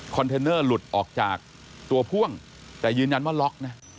เทนเนอร์หลุดออกจากตัวพ่วงแต่ยืนยันว่าล็อกนะ